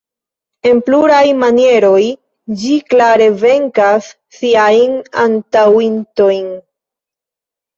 En pluraj manieroj, ĝi klare venkas siajn antaŭintojn.